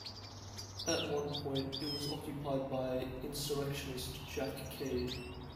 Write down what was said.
At one point it was occupied by insurrectionist Jack Cade.